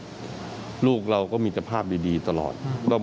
ถามว่าลูกลูกเราก็มีความภาพดีตลอด